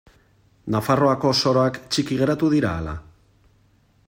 Nafarroako soroak txiki geratu dira ala?